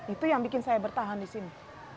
itu yang bikin saya bertahan di sini